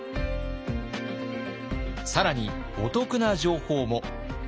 更にお得な情報も！